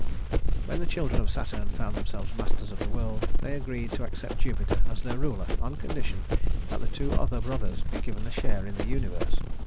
When the children of Saturn found themselves masters of the world, they agreed to accept Jupiter as their ruler, on condition that the two other brothers be given a share in the universe.